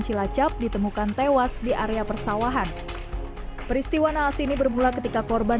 cilacap ditemukan tewas di area persawahan peristiwa naas ini bermula ketika korban